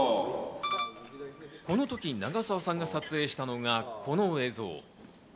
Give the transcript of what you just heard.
このとき長澤さんが撮影したのがこの映像。